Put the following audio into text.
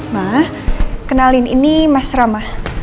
mah kenalin ini mas ramah